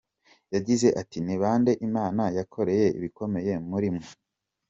Yagize ati “Ni bande Imana yakoreye ibikomeye muri mwe?